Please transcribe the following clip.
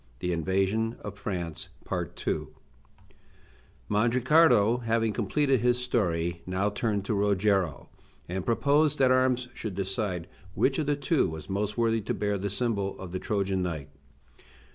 THE INVASION OF FRANCE (Continued) Mandricardo, having completed his story, now turned to Rogero, and proposed that arms should decide which of the two was most worthy to bear the symbol of the Trojan knight.